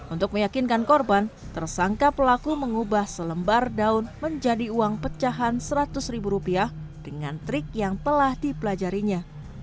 untuk meyakinkan korban tersangka pelaku mengubah selembar daun menjadi uang pecahan seratus ribu rupiah dengan trik yang telah dipelajarinya